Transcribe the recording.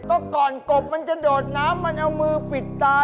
ก็ก่อนกบมันจะโดดน้ำมันเอามือปิดตา